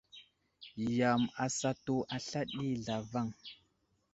Yam asatu asla ɗi zlavaŋ.